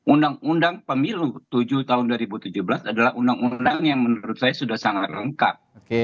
undang undang pemilu tujuh tahun dua ribu tujuh belas adalah undang undang yang menurut saya sudah sangat lengkap